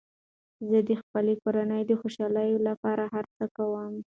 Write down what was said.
زه د خپلې کورنۍ د خوشحالۍ لپاره هر څه کوم.